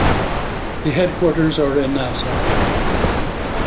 The headquarters are in Nassau.